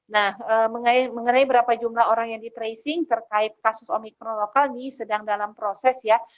nah mengenai berapa jumlah orang yang di tracing terkait kasus omikron lokal ini sedang dalam proses ya